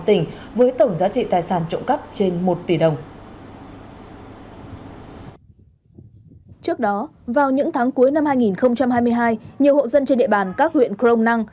trước đó vào những tháng cuối năm hai nghìn hai mươi hai nhiều hộ dân trên địa bàn các huyện crom năng